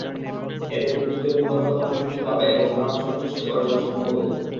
এতে বিদ্যুতের গুণগত মান বৃদ্ধি পাবে এবং গ্রাহক সন্তুষ্টি অর্জন সম্ভব হবে।